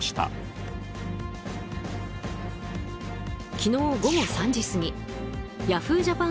昨日午後３時過ぎＹａｈｏｏ！ＪＡＰＡＮ